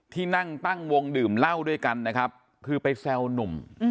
ที่นั่งตั้งวงดื่มเหล้าด้วยกันนะครับคือไปแซวหนุ่ม